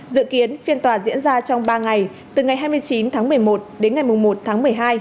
dự kiến phiên tòa diễn ra trong ba ngày từ ngày hai mươi chín tháng một mươi một đến ngày một tháng một mươi hai